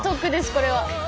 これは！